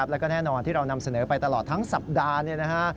แล้วก็แน่นอนที่เรานำเสนอไปตลอดทั้งสัปดาห์